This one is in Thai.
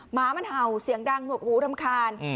หมามันเห่าเสียงดังหนวกหูรำคาญ